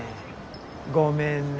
ごめんね。